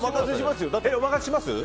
お任せしますよ。